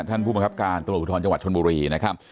ท่านผู้บังคับการตรวจผู้ทรรย์จังหวัดชนบุรีนะครับ